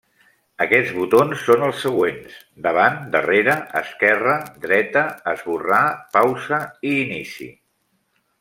Aquests botons són els següents: davant, darrere, esquerra, dreta, esborrar, pausa i inici.